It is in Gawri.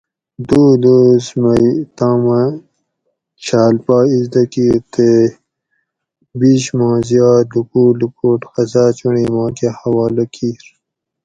دوئ دوس مئ تامہ چھال پا ازدہ کیر تے بیش ما زیات لوکوٹ لوکوٹ قصاۤ چونڑی ما کہۤ حوالہ کیر